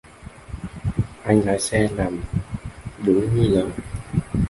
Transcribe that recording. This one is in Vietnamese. Anh lái xe làm đúng như lời